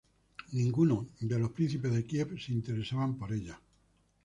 Ninguno de los príncipes de Kiev se interesaban por ellas.